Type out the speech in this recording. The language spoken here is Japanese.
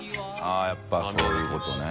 ◆舛やっぱそういうことね。